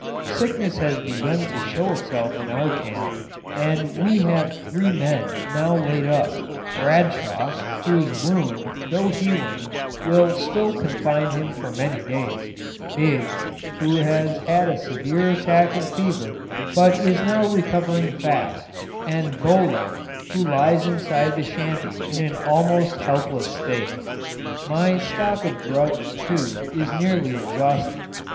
Sickness has begun to show itself in our camp, and we have three men now laid up: Bradshaw, whose wound, though healing, will still confine him for many days; Biggs, who has had a severe attack of fever, but is now recovering fast; and Bowling, who lies inside the shanty in an almost helpless state. My stock of drugs, too, is nearly exhausted.